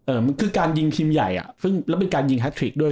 เอ่อมันคือการยิงครีมใหญ่อ่ะซึ่งแล้วเป็นการยิงฮัททริกด้วย